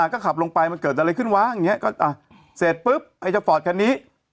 ก็ขับลงไปมันเกิดอะไรขึ้นวะอย่างนี้ก็อ่ะเสร็จปุ๊บไอ้เจ้าฟอร์ตคันนี้